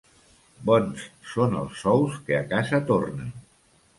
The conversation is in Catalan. Bons són els sous que a casa tornen.